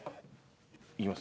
いきます？